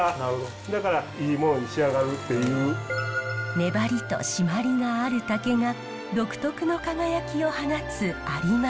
粘りと締まりのある竹が独特の輝きを放つ有馬籠。